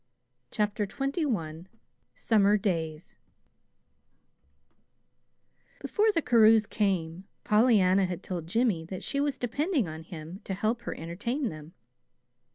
CHAPTER XXI SUMMER DAYS Before the Carews came, Pollyanna had told Jimmy that she was depending on him to help her entertain them.